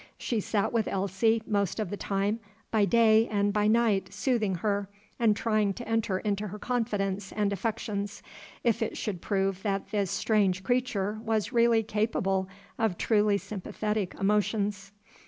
She sat with Elsie most of the time, by day and by night, soothing her, and trying to enter into her confidence and affections, if it should prove that this strange creature was really capable of truly sympathetic emotions.